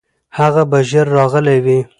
هغه به ژر راغلی وي.